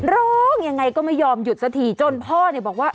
ร้องยังไงก็ไม่ยอมหยุดสักทีจนพ่อเนี่ยบอกว่า